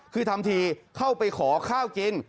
คือทำทีเข้าไปขอข้าวกิน